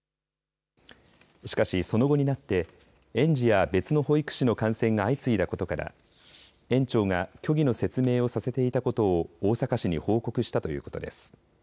しかし、その後になって園児や別の保育士の感染が相次いだことから園長が虚偽の説明をさせていたことを大阪市に報告したということです。